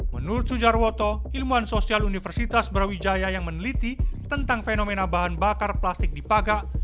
menurut sujarwoto ilmuwan sosial universitas brawijaya yang meneliti tentang fenomena bahan bakar plastik di pagak